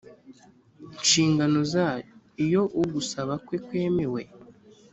nshingano zayo iyo ugusaba kwe kwemewe